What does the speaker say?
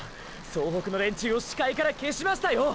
総北の連中を視界から消しましたよ！！